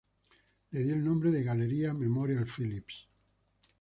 Le dio el nombre de "Galería Memorial Phillips".